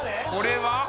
これは。